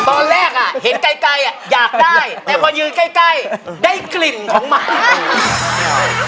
ตอนแรกอ่ะเห็นไกลอยากได้แต่พอยืนใกล้ได้กลิ่นของไม้